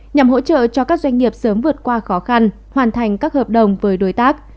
nhằm hỗ trợ cho các doanh nghiệp sớm vượt qua khó khăn hoàn thành các hợp đồng với đối tác